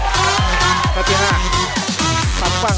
เหมือนกับหัวหลังแขน